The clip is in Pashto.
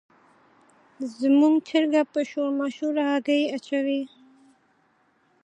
زموږ چرګه په شور ماشور هګۍ اچوي.